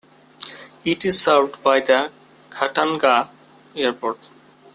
It is served by the Khatanga Airport.